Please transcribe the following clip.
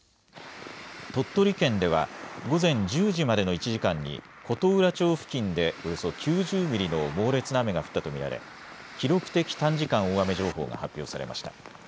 鳥取県では午前１０時までの１時間に琴浦町付近でおよそ９０ミリの猛烈な雨が降ったと見られ記録的短時間大雨情報が発表されました。